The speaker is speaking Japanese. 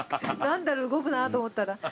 何だろう動くなと思ったら。